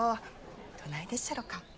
どないでっしゃろか？